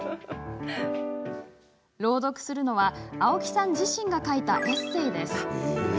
朗読するのは青木さん自身が書いたエッセイです。